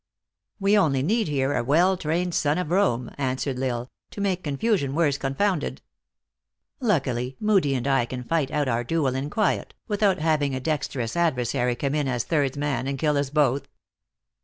" We only need here a well trained son of Rome," answered L Isle, u to make confusion worse confound ed. Luckily, Moodie and I can fight out our duel in quiet, without having a dexterous adversary come in as thirdsman, and kill us both."